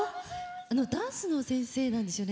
ダンスの先生なんですよね。